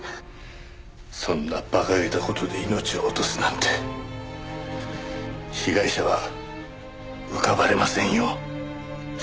そんな馬鹿げた事で命を落とすなんて被害者は浮かばれませんよ。